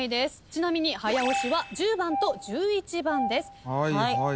ちなみに早押しは１０番と１１番です。